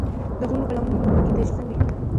د غرونو په لمنو کې د ژوند خوند وي.